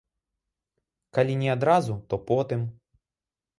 Калі не адразу, то потым.